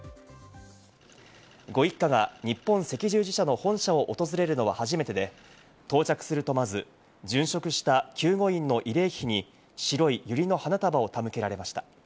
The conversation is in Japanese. ご一家が日本赤十字社の本社を訪れるのは初めてで、到着するとまず、殉職した救護員の慰霊碑に白い百合の花束を手向けられました。